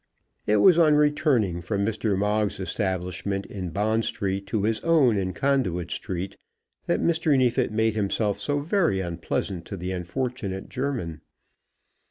It was on returning from Mr. Moggs's establishment in Bond Street to his own in Conduit Street that Mr. Neefit made himself so very unpleasant to the unfortunate German.